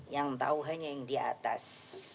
yang tahu hanya yang di atas